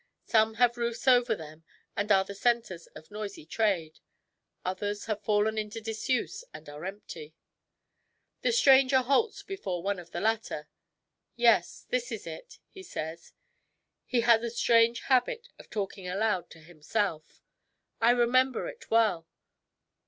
Some have roofs over them and are the centers of noisy trade. Others have fallen into disuse and are empty. The stranger halts before one of the latter. " Yes, this is it," he says. He has a strange habit of talking aloud to himself. " I remember it well.